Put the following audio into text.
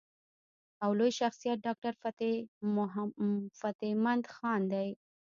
او لوئ شخصيت ډاکټر فتح مند خان دے ۔